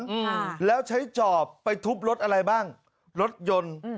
อืมแล้วใช้จอบไปทุบรถอะไรบ้างรถยนต์อืม